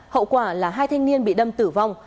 hậu quả là hai thanh niên bị đâm tử vong